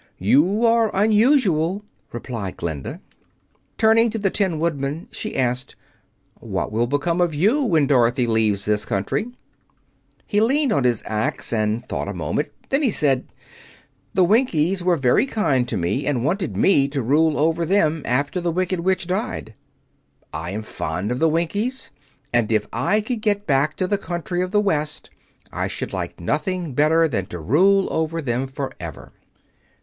"You are unusual," replied Glinda. Turning to the Tin Woodman, she asked, "What will become of you when Dorothy leaves this country?" He leaned on his axe and thought a moment. Then he said, "The Winkies were very kind to me, and wanted me to rule over them after the Wicked Witch died. I am fond of the Winkies, and if I could get back again to the Country of the West, I should like nothing better than to rule over them forever."